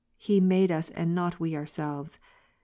He made us, and not we ourselves.